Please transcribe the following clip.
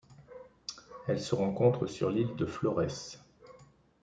Elle se rencontre sur l'île de Flores.